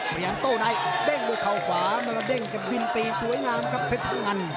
มาอย่างโต้ไหนเด้งช่วงเคาขวาเด้งจับกวิ่นตีสวยงามแต่ผัวมัน